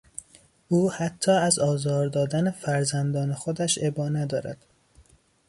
او حتی از آزار دادن فرزندان خودش ابا ندارد.